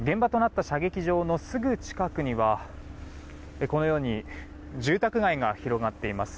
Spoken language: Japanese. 現場となった射撃場のすぐ近くにはこのように住宅街が広がっています。